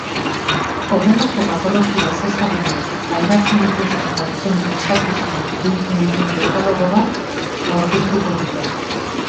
Horrelako patologia ezezagunak pairatzen dituzten pertsonen eskakizunak biltzen dituen dekalogo bat aurkeztuko dute.